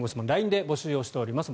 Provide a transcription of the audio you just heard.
ＬＩＮＥで募集をしております。